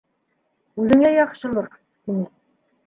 Үҙеңә яҡшылыҡ, — тине.